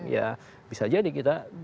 ya bisa jadi kita